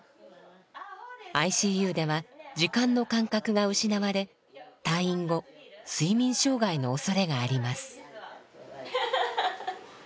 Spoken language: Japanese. ＩＣＵでは時間の感覚が失われ退院後睡眠障害のおそれがあります。